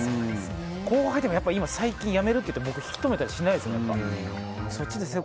後輩でも最近辞めるといっても僕、引き止めたりしないですね。